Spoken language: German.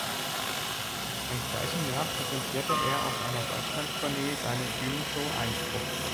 Im gleichen Jahr präsentierte er auf einer Deutschlandtournee seine Bühnenshow „Ein§pruch“.